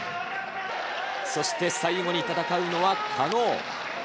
そして最後に戦うのは、加納。